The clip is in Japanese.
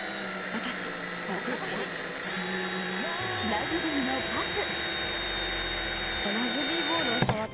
ラグビーのパス。